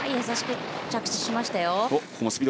優しく着地しましたよ。